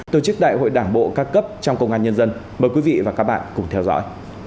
tổ chức đại hội đảng bộ các cấp trong công an nhân dân mời quý vị và các bạn cùng theo dõi